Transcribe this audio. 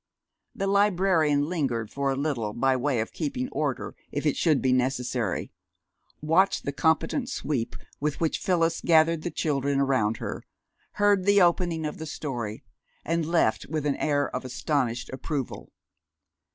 The librarian lingered for a little by way of keeping order if it should be necessary, watched the competent sweep with which Phyllis gathered the children around her, heard the opening of the story, and left with an air of astonished approval.